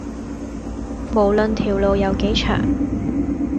無論條路有幾長